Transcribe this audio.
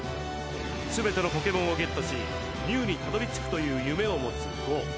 すべてのポケモンをゲットしミュウにたどりつくという夢を持つゴウ。